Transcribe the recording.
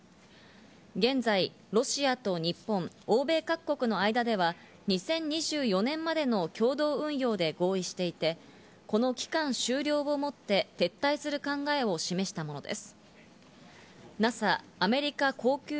現在、ロシアと日本、欧米各国の間では２０２４年までの共同運用で合意していて、この期間終了をもって撤退する考えを示したものです。